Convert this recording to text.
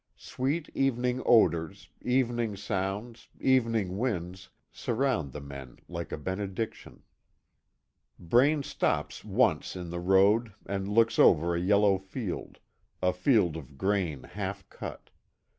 Sweet evening odors, evening sounds, evening winds, surround the men like a benediction. Braine stops once in the road and looks off over a yellow field a field of grain half cut.